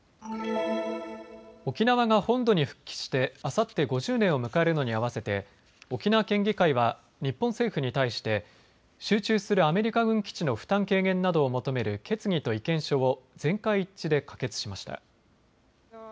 沖縄が本土に復帰してあさって５０年を迎えるのに合わせて沖縄県議会は日本政府に対して集中するアメリカ軍基地の負担軽減などを求める決議と意見書を全会一致で可決しました。